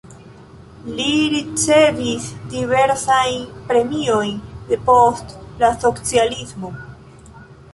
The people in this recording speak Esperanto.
Li ricevis diversajn premiojn depost la socialismo.